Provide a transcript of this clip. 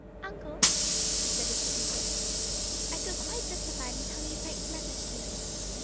"Uncle," she said, as she entered, "I feel quite justified in telling you Frank's message to me.